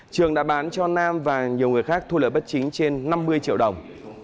trường đã bán cho nam và nhiều người khác thu lợi bất chính trên năm mươi triệu đồng